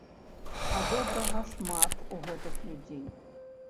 А добрага шмат у гэтых людзей.